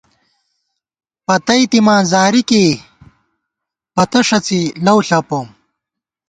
پتئی تِماں زاری کېئی ، پتہ ݭڅی لَؤ ݪپوم